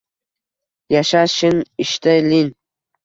Yashash-shin Ishta-lin!